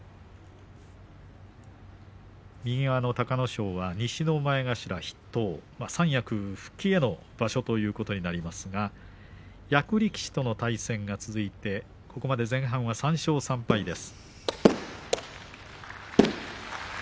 隆の勝は西の前頭筆頭三役復帰への場所ということになりますが役力士との対戦が続いて前半戦は３勝３敗です。